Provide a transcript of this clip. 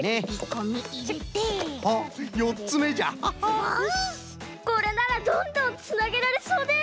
これならどんどんつなげられそうです。